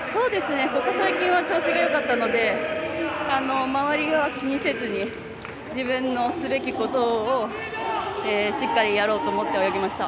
ここ最近は調子がよかったので周りは気にせずに自分のすべきことをしっかりやろうと思って泳ぎました。